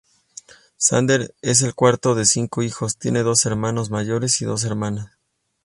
Zander es el cuarto de cinco hijos, tiene dos hermanos mayores y dos hermanas.